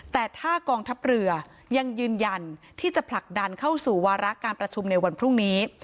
แต่ถ้ากองทัพเรือยังยืนยันที่จะผลักดันเข้าสู่วาระการประชุมในวันพรุ่งนี้